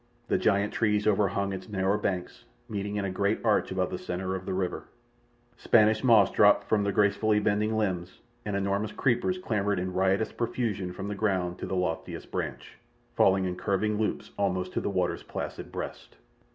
The giant trees overhung its narrow banks, meeting in a great arch above the centre of the river. Spanish moss dropped from the gracefully bending limbs, and enormous creepers clambered in riotous profusion from the ground to the loftiest branch, falling in curving loops almost to the water's placid breast.